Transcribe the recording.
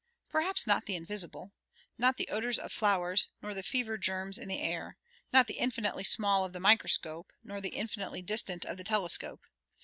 Perhaps not the invisible not the odors of flowers nor the fever germs in the air not the infinitely small of the microscope nor the infinitely distant of the telescope.